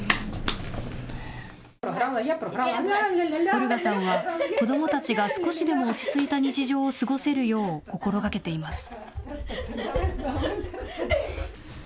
オルガさんは、子どもたちが少しでも落ち着いた日常を過ごせるよう心がけています。